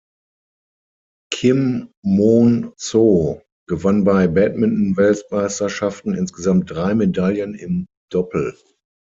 Kim Moon-soo gewann bei Badminton-Weltmeisterschaften insgesamt drei Medaillen im Doppel.